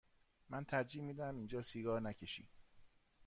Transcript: من ترجیح می دهم اینجا سیگار نکشی.